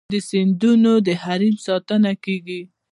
د سیندونو د حریم ساتنه کیږي؟